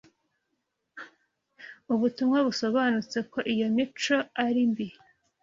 ubutumwa busobanutse ko iyi mico ari mbi